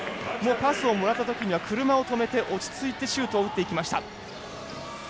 パスをもらったときには車を止めて落ち着いてシュートを打っていきました。